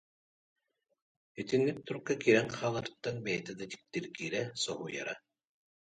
Итинник турукка киирэн хааларыттан бэйэтэ да дьиктиргиирэ, соһуйара